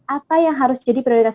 apa yang harus jadi prioritas